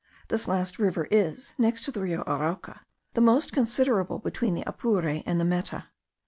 This last river is, next to the Rio Arauca, the most considerable between the Apure and the Meta.